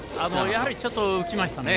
やはりちょっと浮きましたね。